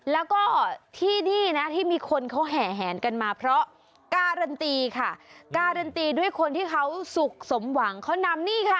แล้วก็ที่นี่นะที่มีคนเขาแห่แหนกันมาเพราะการันตีค่ะการันตีด้วยคนที่เขาสุขสมหวังเขานำนี่ค่ะ